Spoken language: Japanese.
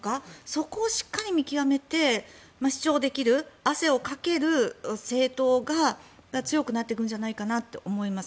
そこをしっかり見極めて主張できる汗をかける政党が強くなっていくんじゃないかと思います。